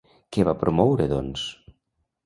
Què va promoure, doncs?